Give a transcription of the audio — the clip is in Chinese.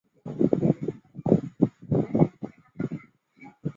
后来法新社证实了以上说法。